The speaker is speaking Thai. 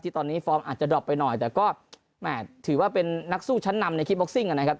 ตอนนี้ฟอร์มอาจจะดรอบไปหน่อยแต่ก็แหม่ถือว่าเป็นนักสู้ชั้นนำในคลิปบ็คซิ่งนะครับ